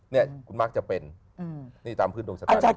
นี่คุณมากจะเป็นนี่ตามพื้นตรงสถานที่